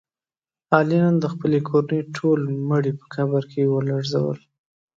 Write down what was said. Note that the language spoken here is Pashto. علي نن د خپلې کورنۍ ټول مړي په قبر کې ولړزول.